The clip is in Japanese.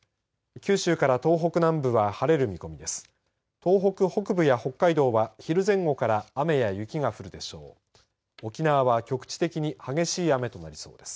九州から東北南部は晴れる見込みです。